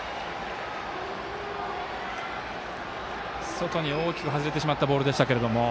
外に大きく外れてしまったボールです。